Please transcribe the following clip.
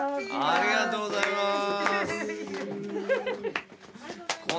ありがとうございます。